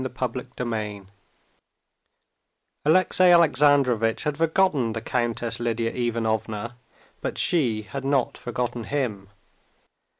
Chapter 22 Alexey Alexandrovitch had forgotten the Countess Lidia Ivanovna, but she had not forgotten him.